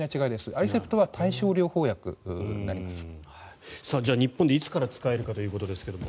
アリセプトは対症療法薬になりますじゃあ、日本でいつから使えるかということですが。